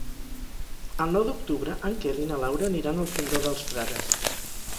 El nou d'octubre en Quel i na Laura aniran al Fondó dels Frares.